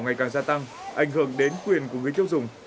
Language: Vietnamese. ngày càng gia tăng ảnh hưởng đến quyền của người tiêu dùng